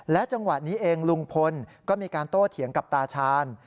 จังหวะนี้เองลุงพลก็มีการโต้เถียงกับตาชาญ